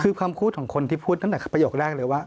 คือความพูดของคนที่พูดตั้งแต่ประโยคแรกเลยว่า